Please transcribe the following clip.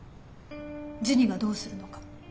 ジュニがどうするのか。